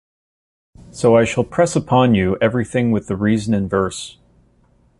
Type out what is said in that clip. So I shall press upon you everything with the reason in verse.